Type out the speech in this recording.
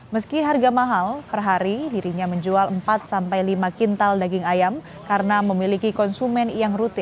meski harga mahal per hari dirinya menjual empat sampai lima kintal daging ayam karena memiliki konsumen yang rutin